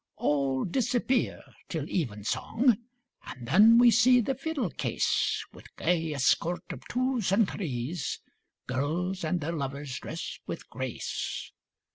All disappear till evensong, And then we see the fiddle case, With gay escort of twos and threes, Girls and their lovers drest with grace.